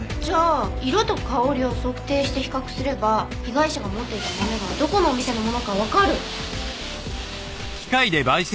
じゃあ色と香りを測定して比較すれば被害者が持っていた豆がどこのお店のものかわかる！